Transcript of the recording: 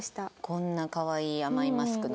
こんな可愛い甘いマスクの。